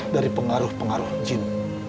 dari pengaruh pengaruh jin